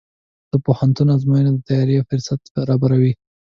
د پوهنتون ازموینې د تیاری فرصت برابروي.